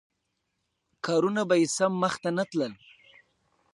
کارونه به یې سم مخته نه تلل.